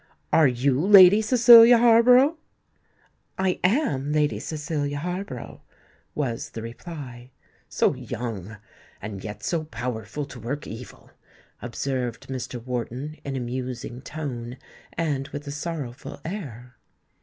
"Are you Lady Cecilia Harborough?" "I am Lady Cecilia Harborough," was the reply. "So young—and yet so powerful to work evil!" observed Mr. Wharton, in a musing tone, and with a sorrowful air.